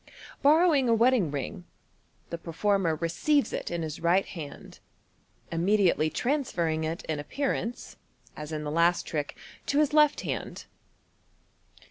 Borrow ing a wedding ring, the performer receives it in his right hand, im mediately transferring it in appearance (as in the last trick) to his left hand.